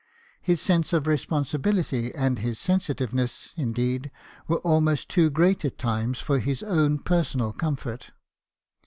His sense of responsibility and his sensitiveness, indeed, were almost too great at times for his own personal comfort.